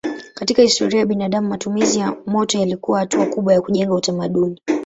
Katika historia ya binadamu matumizi ya moto yalikuwa hatua kubwa ya kujenga utamaduni.